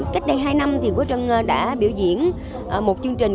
cách đây hai năm thì quốc trân đã biểu diễn một chương trình